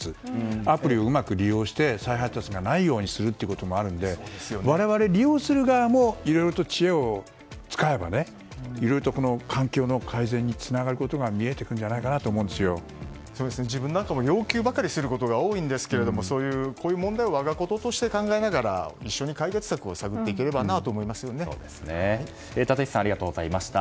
アプリをうまく利用して再配達がないようにするということもあるので我々、利用する側も知恵を使えばいろいろと環境の改善につながることが見えてくるんじゃないかなと自分も要求ばかりすることが多いんですがこういう問題を我がこととして考えながら一緒に解決策を探っていければと立石さんありがとうございました。